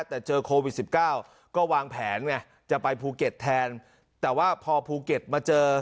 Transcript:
แต่เจอโควิดสิบเก้าก็วางแผนไงจะไปภูเก็ตแทนแต่ว่าพอภูเก็ตมาเจอ